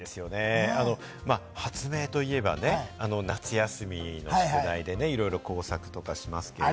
発明といえばね、夏休み、宿題でいろいろと工作とかしますけれども。